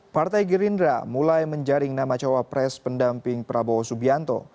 partai gerindra mulai menjaring nama cawapres pendamping prabowo subianto